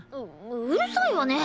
ううるさいわね！